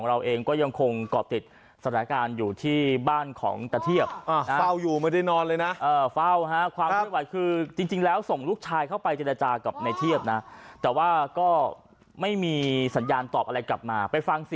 อ้าจริงแล้วส่งลูกชายเข้าไปจะระจากับในเทียบนะแต่ว่าก็ไม่มีสัญญาณตอบอะไรกลับมาไปฟัง